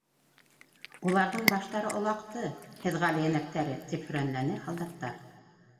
—Уларҙың баштары олаҡты, һеҙ Ғали Йәнәптәре, —тип һөрәнләне һалдаттар.